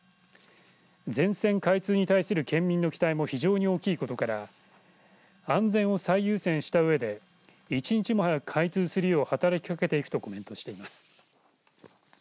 全線開通に対する県民の期待も非常に大きいことから安全を最優先したうえで１日も早く開通するよう働きかけていくとコメントしてます。